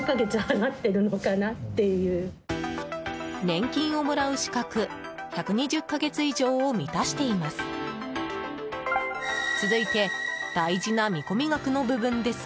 年金をもらう資格１２０か月以上を満たしています。